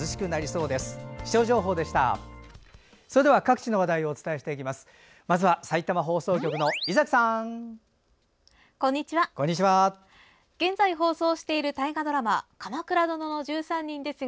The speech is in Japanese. それでは各地の話題をお伝えしていきます。